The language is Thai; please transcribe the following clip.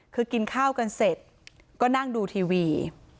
คือกินข้าวกันเสร็จก็นั่งดูทีวี